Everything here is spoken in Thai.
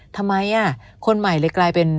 ทำไมคนใหม่เลยกลายเป็น